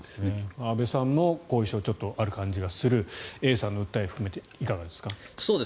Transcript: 安部さんも後遺症ちょっとある感じがするＡさんの訴え含めていかがですか？